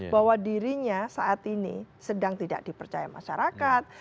bahwa dirinya saat ini sedang tidak dipercaya masyarakat